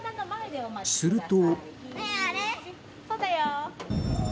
すると。